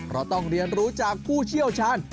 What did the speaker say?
เราต้องเรียนรู้จากผู้เชี่ยวชาญ